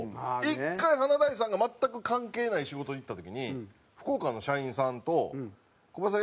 １回華大さんが全く関係ない仕事に行った時に福岡の社員さんと「コバヤシさん